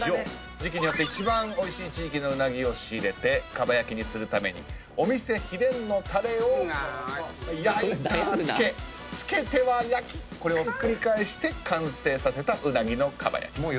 時期によって一番おいしい地域のうなぎを仕入れて蒲焼にするためにお店秘伝のたれを焼いてはつけつけては焼きこれを繰り返して完成させたうなぎの蒲焼。